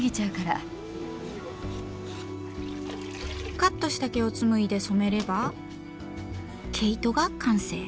カットした毛をつむいで染めれば毛糸が完成。